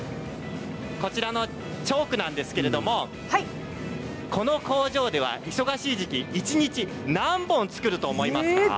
こちらのチョークなんですけれどこの工場では忙しい時期一日何本作ると思いますか？